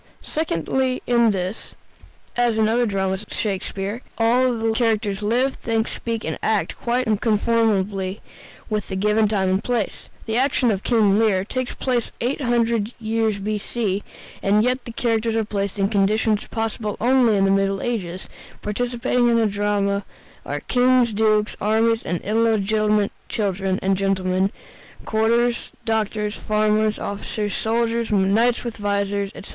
Secondly, in this, as in the other dramas of Shakespeare, all the characters live, think, speak, and act quite unconformably with the given time and place. The action of "King Lear" takes place 800 years B.C., and yet the characters are placed in conditions possible only in the Middle Ages: participating in the drama are kings, dukes, armies, and illegitimate children, and gentlemen, courtiers, doctors, farmers, officers, soldiers, and knights with vizors, etc.